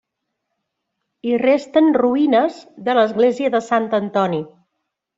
Hi resten ruïnes de l'església de Sant Antoni.